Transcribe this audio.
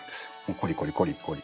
コリコリコリコリ。